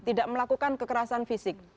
tidak melakukan kekerasan fisik